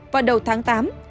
vào đầu tháng tám